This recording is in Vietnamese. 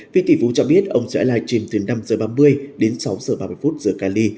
vị tỷ phú cho biết ông sẽ lại chìm từ năm h ba mươi đến sáu h ba mươi giữa cali